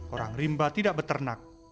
orang rimba tidak beternak